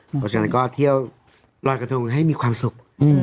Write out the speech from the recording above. เพราะฉะนั้นก็เที่ยวลอยกระทงให้มีความสุข